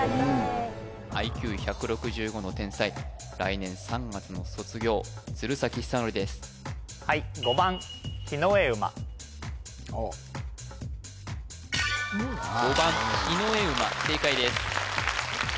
ＩＱ１６５の天才来年３月の卒業鶴崎修功ですおっ５番ひのえうま正解です